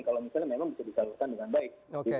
kalau misalnya memang bisa disalurkan dengan baik